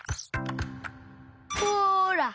ほら。